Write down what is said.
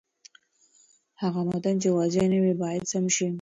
هغه متن چې واضح نه وي، باید سم شي.